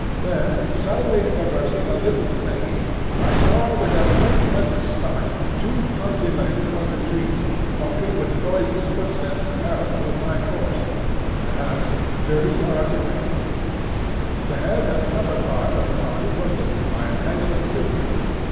Then suddenly traversing a little glade, I saw with an unpleasant start two clumsy legs among the trees, walking with noiseless footsteps parallel with my course, and perhaps thirty yards away from me. The head and upper part of the body were hidden by a tangle of creeper.